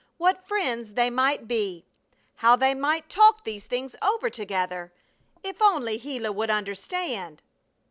What friends they might be how they might talk these things over together if only Gila would understand!